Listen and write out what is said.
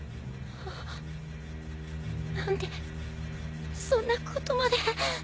何でそんなことまで。